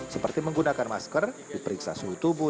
seperti menggunakan masker diperiksa suhu tubuh